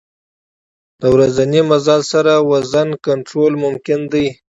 د ورځني مزل سره وزن کنټرول ممکن دی.